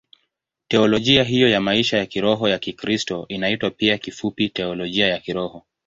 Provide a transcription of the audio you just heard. Teolojia hiyo ya maisha ya kiroho ya Kikristo inaitwa pia kifupi Teolojia ya Kiroho.